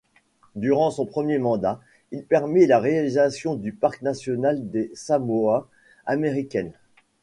Durant son premier mandat, il permet la réalisation du parc national des Samoa américaines.